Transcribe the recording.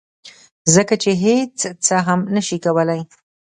ځکه چې هیڅ څه هم نشي کولی